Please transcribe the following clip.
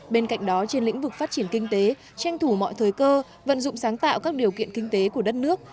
bên cạnh đó trên lĩnh vực phát triển kinh tế tranh thủ mọi thời cơ vận dụng sáng tạo các điều kiện kinh tế của đất nước